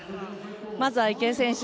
まずは池江選手